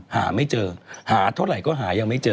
หาไม่เจอหาเท่าไหร่ก็หายังไม่เจอ